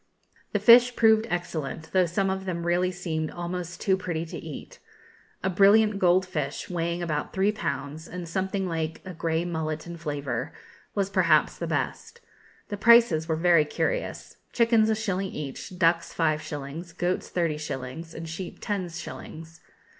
The fish proved excellent, though some of them really seemed almost too pretty to eat. A brilliant gold fish, weighing about three pounds, and something like a grey mullet in flavour, was perhaps the best. The prices were very curious. Chickens a shilling each, ducks five shillings, goats thirty shillings, and sheep ten shillings.